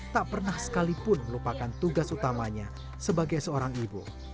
tak pernah sekalipun melupakan tugas utamanya sebagai seorang ibu